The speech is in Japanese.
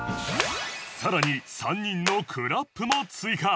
さらに３人のクラップも追加